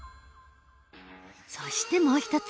そしてもう一つ。